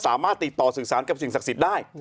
สามารถติดต่อสื่อสารกับสิ่งศักดิ์สิทธิ์ได้